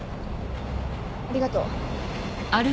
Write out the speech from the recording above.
ありがとう。